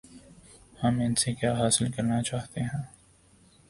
ہم ان سے کیا حاصل کرنا چاہتے ہیں؟